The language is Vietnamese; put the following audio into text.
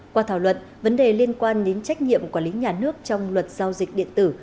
qua thảo luận vấn đề liên quan đến trách nhiệm quản lý nhà nước trong luật giao dịch điện tử